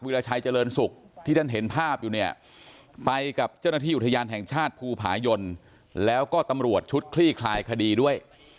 ราชัยเจริญศุกร์ที่ท่านเห็นภาพอยู่เนี่ยไปกับเจ้าหน้าที่อุทยานแห่งชาติภูผายนแล้วก็ตำรวจชุดคลี่คลายคดีด้วย